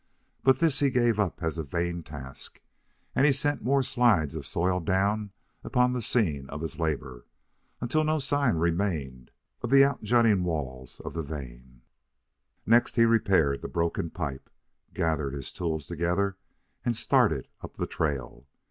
But this he gave up as a vain task; and he sent more slides of soil down upon the scene of his labor, until no sign remained of the out jutting walls of the vein. Next he repaired the broken pipe, gathered his tools together, and started up the trail.